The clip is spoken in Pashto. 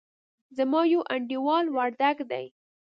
زما يو انډيوال وردګ دئ.